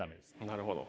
なるほど。